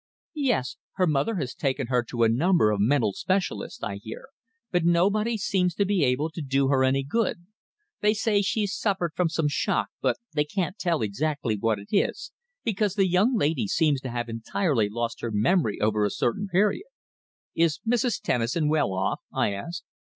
"Yes. Her mother has taken her to a number of mental specialists, I hear, but nobody seems to be able to do her any good. They say she's suffered from some shock, but they can't tell exactly what it is, because the young lady seems to have entirely lost her memory over a certain period." "Is Mrs. Tennison well off?" I asked.